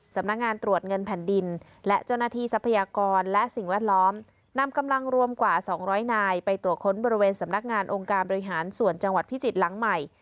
สำนักงานตรวจเงินแผ่นดินและเจ้าหน้าที่ทรัพยากรและสิ่งแวดล้อมนำกำลังรวมกว่า๒๐๐นายไปตรวจค้นบริเวณสำนักงานองค์การบริหารส่วนจังหวัดพิจิตรหลังใหม่